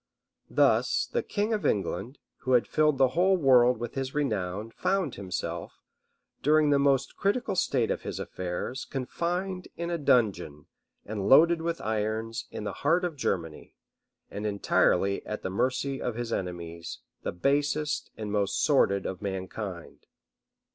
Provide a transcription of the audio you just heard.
Thus the king of England, who had filled the whole world with his renown, found himself, during the most critical state of his affairs, confined in a dungeon, and loaded with irons, in the heart of Germany,[*] and entirely at the mercy of his enemies, the basest and most sordid of mankind.